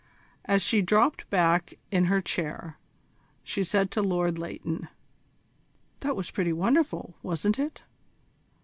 As she dropped back in her chair, she said to Lord Leighton: "That was pretty wonderful, wasn't it?